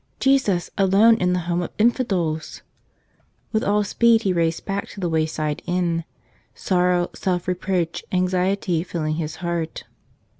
Jesus alone in the home of infidels! With all speed he raced back to the wayside inn, sorrow, self reproach, anxiety filling his heart.